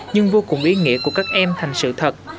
nhưng vô cùng ý nghĩa của các em thành sự thật